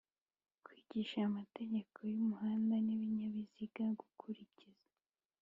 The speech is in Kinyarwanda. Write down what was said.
kwigisha amategeko y umuhanda n ibinyabiziga Gukurikiza